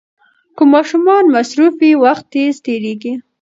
که ماشومان مصروف وي، وخت تېز تېریږي.